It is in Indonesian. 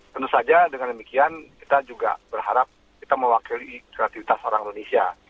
tentu saja dengan demikian kita juga berharap kita mewakili kreativitas orang indonesia